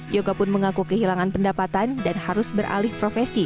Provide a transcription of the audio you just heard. yoga pun mengaku kehilangan pendapatan dan harus beralih profesi